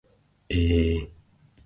えー